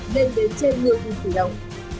nên đến trên nhiều nguồn tùy động